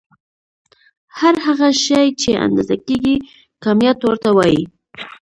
هر هغه شی چې اندازه کيږي کميت ورته وايې.